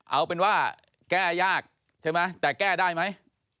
เอาเป็นว่าแก้ยากใช่ไหมแต่แก้ได้ไหม